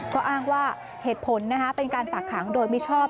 ก็อ้างว่าเหตุผลเป็นการฝากขังโดยมิชอบ